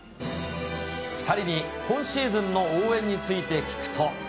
２人に今シーズンの応援について聞くと。